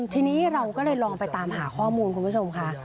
ทีนี้เราก็เลยลองไปตามหาข้อมูลคุณผู้ชมค่ะ